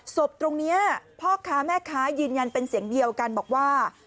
ศพตรงนี้พ่อค้าแม่ค้ายืนยันเป็นเสียงเดียวกันบอกว่า